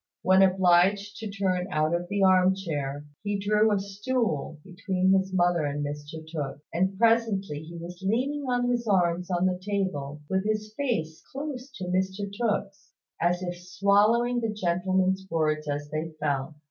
When obliged to turn out of the arm chair, he drew a stool between his mother and Mr Tooke: and presently he was leaning on his arms on the table, with his face close to Mr Tooke's, as if swallowing the gentleman's words as they fell.